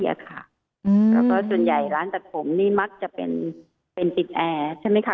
แล้วก็ส่วนใหญ่ร้านตัดผมนี่มักจะเป็นติดแอร์ใช่ไหมคะ